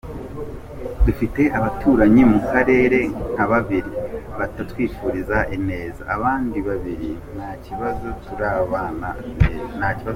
Dufite abaturanyi mu karere nka babiri batatwifuriza ineza abandi babiri nta kibazo turabana neza.”